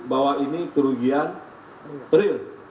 bahwa ini kerugian prio